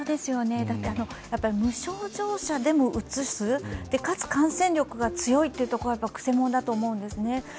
無症状者でもうつす、かつ感染力が強いというところがくせ者だと思うんですね。